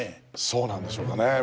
そうなんでしょうかね。